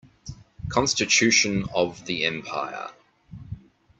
Constitution of the empire